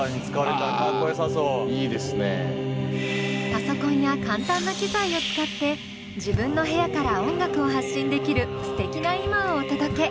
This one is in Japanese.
パソコンや簡単な機材を使って自分の部屋から音楽を発信できるすてきな今をお届け。